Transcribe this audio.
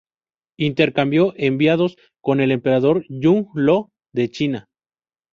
Intercambió enviados con el emperador Yung Lo de China.